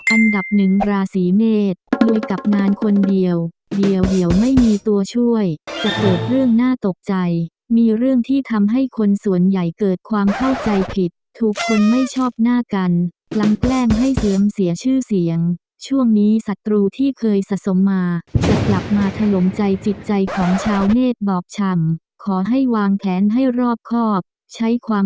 อันดับหนึ่งราศีเมษด้วยกับงานคนเดียวเดี๋ยวไม่มีตัวช่วยจะเกิดเรื่องน่าตกใจมีเรื่องที่ทำให้คนส่วนใหญ่เกิดความเข้าใจผิดถูกคนไม่ชอบหน้ากันลำแกล้งให้เสื่อมเสียชื่อเสียงช่วงนี้ศัตรูที่เคยสะสมมาจะกลับมาถล่มใจจิตใจของชาวเนธบอกชำขอให้วางแผนให้รอบครอบใช้ความ